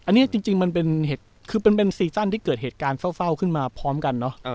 อันนี้จริงมันเป็นเศรษฐ์ที่เกิดเหตุการณ์เศร้าขึ้นมาพร้อมกันเนาะ